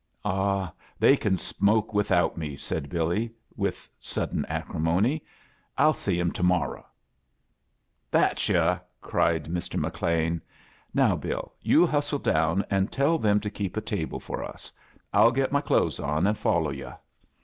"Ah, they can smoke without me," said Billy, with sodden acrimony. "Fll see 'em to morro'." " That's yo'l" cried Rb. McLean. "Now, Bill, you hustle down and tell them to keep a table for us. I'll get my clothes on and follow yo*."